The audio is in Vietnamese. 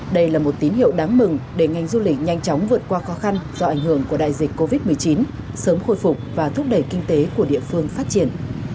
đây là một tín hiệu đáng mừng để ngành du lịch nhanh chóng vượt qua khó khăn do ảnh hưởng của đại dịch covid một mươi chín sớm khôi phục và thúc đẩy kinh tế của địa phương phát triển